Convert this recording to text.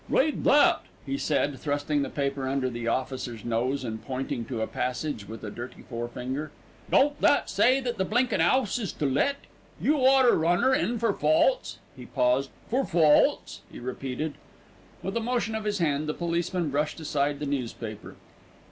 "Read that," he said, thrusting the paper under the officer's nose and pointing to a passage with a dirty forefinger. "Don't that say the blinkin' 'ouse is to let? You oughter run 'er in for false " He paused. "For false " he repeated. With a motion of his hand, the policeman brushed aside the newspaper.